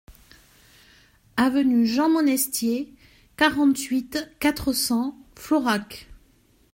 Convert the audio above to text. Avenue Jean Monestier, quarante-huit, quatre cents Florac